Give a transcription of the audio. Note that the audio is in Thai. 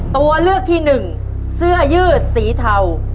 ตัวเลือกที่หนึ่งเสื้อยืดสีเทา